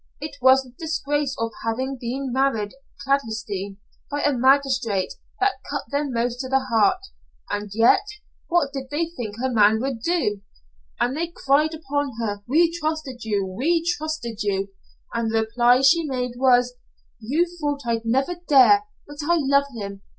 It was the disgrace of having been married clandestinely by a magistrate that cut them most to the heart; and yet, what did they think a man would do? And they cried upon her: 'We trusted you. We trusted you.' And all the reply she made was: 'You thought I'd never dare, but I love him.'